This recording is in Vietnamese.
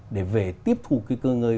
để về tiếp thù cái cơ ngợi